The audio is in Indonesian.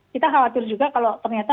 kita khawatir juga kalau ternyata